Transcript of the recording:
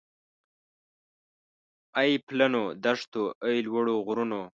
اې پلنو دښتو اې لوړو غرونو